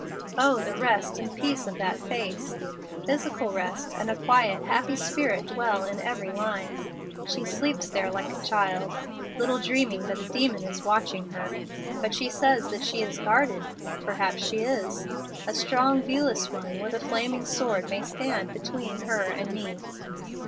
"Oh, the rest and peace of that face! Physical rest and a quiet, happy spirit dwell in every line. She sleeps there like a child, little dreaming that a demon is watching her. But she says that she is guarded. Perhaps she is. A strong viewless one with a flaming sword may stand between her and me.